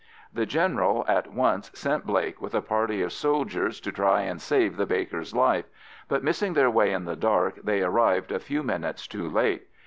The General at once sent Blake with a party of soldiers to try and save the baker's life, but, missing their way in the dark, they arrived a few minutes too late.